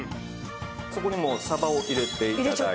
そこにもうサバを入れて頂いて。